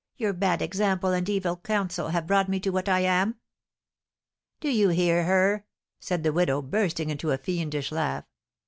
Your bad example and evil counsel have brought me to what I am!" "Do you hear her?" said the widow, bursting into a fiendish laugh.